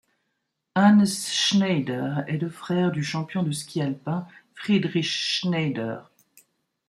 Hannes Schneider est le frère du champion de ski alpin Friedrich Schneider.